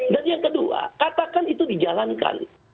dan yang kedua katakan itu dijalankan